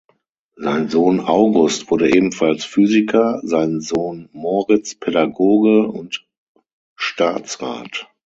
Sein Sohn August wurde ebenfalls Physiker, sein Sohn Moritz Pädagoge und Staatsrat.